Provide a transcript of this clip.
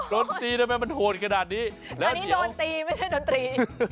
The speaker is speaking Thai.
โดนตีทำไมมันโหดขนาดนี้อันนี้โดนตีไม่ใช่ดนตรี